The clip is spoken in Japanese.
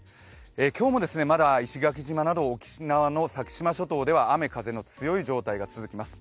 今日もまだ石垣島など沖縄の先島諸島では雨風の強い状態が続きます。